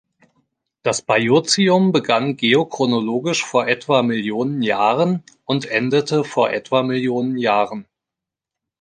Das Bajocium begann geochronologisch vor etwa Millionen Jahren und endete vor etwa Millionen Jahren.